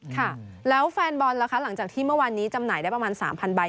ครับแล้วแฟนบอนละครับหลังจากที่เมื่อวันนี้จำไหนได้ประมาณ๓๐๐๐ใบ